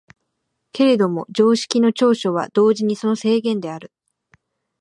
けれども常識の長所は同時にその制限である。